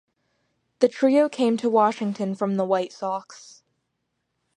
The trio came to Washington from the White Sox.